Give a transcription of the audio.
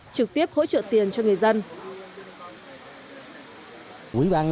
trực tiếp hỗ trợ tiền cho người dân